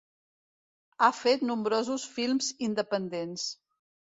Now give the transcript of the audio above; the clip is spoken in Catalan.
Ha fet nombrosos films independents.